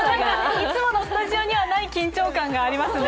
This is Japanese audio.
いつものスタジオにはない緊張感がありますね。